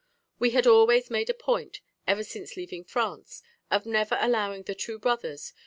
We had always made a point, ever since leaving France, of never allowing the two brothers, M.